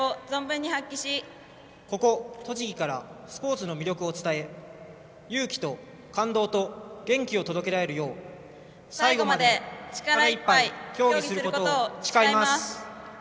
ここ栃木からスポーツの魅力を伝え勇気と感動と元気を最後まで力いっぱい競技することを誓います。